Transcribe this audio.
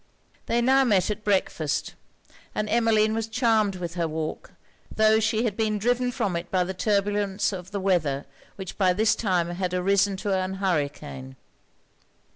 They now met at breakfast; and Emmeline was charmed with her walk, tho' she had been driven from it by the turbulence of the weather, which by this time had arisen to an hurricane.